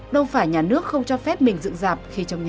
đâu phải nhà nước không cho phép mình dựng dạp khi trong nhà